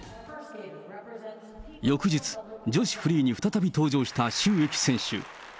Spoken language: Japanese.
翌日、女子フリーに再び登場した朱易選手。